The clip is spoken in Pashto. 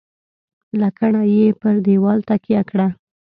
. لکڼه یې پر دېوال تکیه کړه .